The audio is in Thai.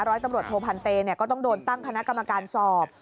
ร้อยตำรวจโทพันเตก็ต้องโดนตั้งคณะกรรมการสอบ